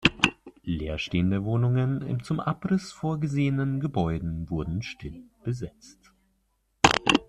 Leerstehende Wohnungen in zum Abriss vorgesehenen Gebäuden wurden still besetzt.